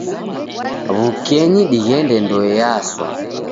W'ukenyi dighende ndoe yaswa.